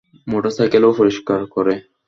মোটরসাইকেলও পরিষ্কার করে।